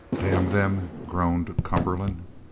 "Damn them!" groaned Cumberland.